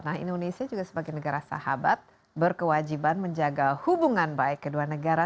nah indonesia juga sebagai negara sahabat berkewajiban menjaga hubungan baik kedua negara